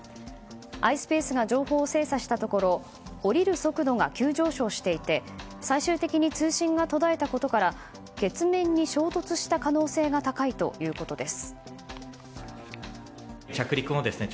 ｉｓｐａｃｅが情報を精査したところ降りる速度が急上昇していて最終的に通信が途絶えたことから月面に衝突した可能性が高いということです。